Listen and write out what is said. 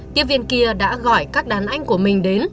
tiếp viên kia đã gọi các đàn anh của mình đến